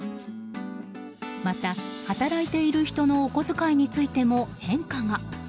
また、働いている人のお小遣いについても、変化が。